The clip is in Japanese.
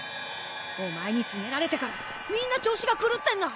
お前につねられてからみんな調子がくるってんだ！